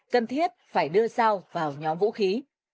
cần thiết phải đưa dao vào nhóm vũ khí